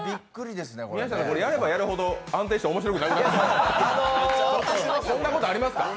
宮下さん、やればやるほど安定して面白くなくなりますね。